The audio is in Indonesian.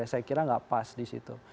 saya kira nggak pas di situ